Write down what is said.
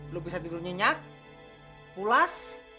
lo bisa tidur nyenyak pulas